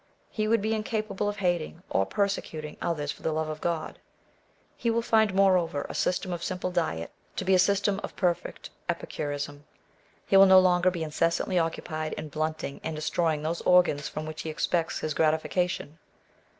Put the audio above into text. He would be incapable of hating or persecuting others for the love of God. He will find, moreover, a system of simple diet to be a system of perfect epicurism. He will no longer be incessantly occupied in blunting and destroy ing those organs from which he expects his gratification.